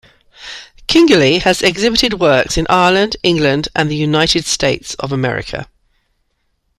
Kingerlee has exhibited works in Ireland, England and The United States of America.